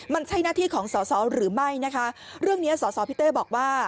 มันใช่หน้าที่ของสอสอหรือไม่นะคะเรื่องนี้สอสอพี่เต้บอกว่า